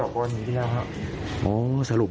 ครับ